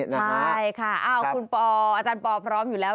ใช่ค่ะคุณปออาจารย์ปอพร้อมอยู่แล้ว